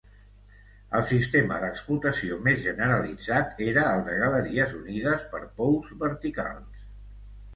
El sistema d'explotació més generalitzat era el de galeries unides per pous verticals.